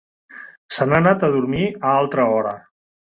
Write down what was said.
Se n'han anat a dormir a altra hora.